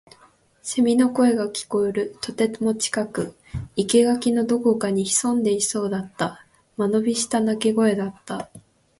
蝉の声が聞こえる。とても近く。生垣のどこかに潜んでいそうだった。間延びした鳴き声だった。